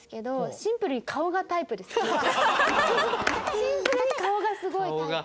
シンプルに顔がすごいタイプ。